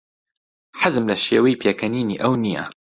حەزم لە شێوەی پێکەنینی ئەو نییە.